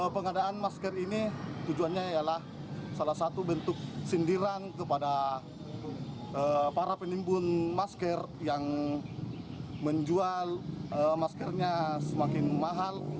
pengadaan masker ini tujuannya ialah salah satu bentuk sindiran kepada para penimbun masker yang menjual maskernya semakin mahal